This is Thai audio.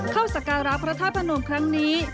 เข้าสักการะพระทาสพนมครั้งนี้